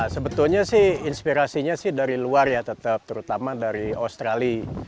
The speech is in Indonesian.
sebetulnya sih inspirasinya sih dari luar ya tetap terutama dari australia